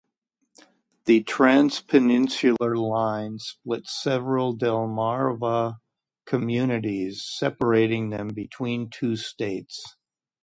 The Transpeninsular Line splits several Delmarva communities, separating them between the two states.